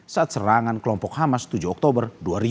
saat serangan kelompok hamas tujuh oktober dua ribu dua puluh